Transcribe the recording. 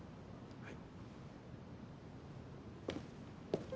はい。